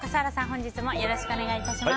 本日もよろしくお願いいたします。